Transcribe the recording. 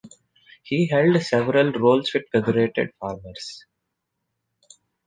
He held several roles with Federated Farmers.